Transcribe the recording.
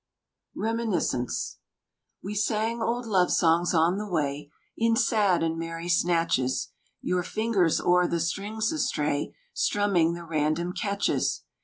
Reminiscence We sang old love songs on the way In sad and merry snatches, Your fingers o'er the strings astray Strumming the random catches.